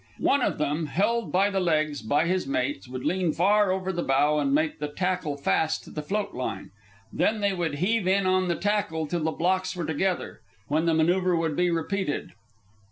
One of them, held by the legs by his mates, would lean far over the bow and make the tackle fast to the float line. Then they would heave in on the tackle till the blocks were together, when the manoeuvre would be repeated.